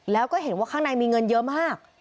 แล้วก็เห็นว่าข้างในมีเงินเยอะมาก